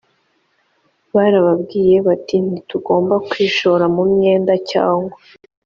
barababwiye bati ntitugomba kwishora mu myenda cyangwa